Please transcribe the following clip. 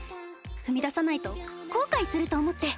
踏み出さないと後悔すると思って！